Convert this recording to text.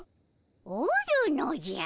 おるのじゃ。